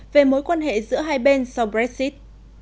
về mối quan hệ giữa hai bên sau brexit